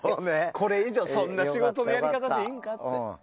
これ以上そんな仕事のやり方でいいんかって？